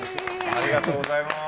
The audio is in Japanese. ありがとうございます。